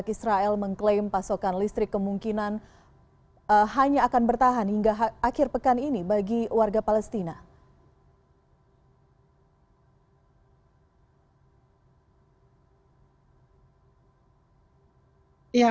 israel mengklaim pasokan listrik kemungkinan hanya akan bertahan hingga akhir pekan ini bagi warga palestina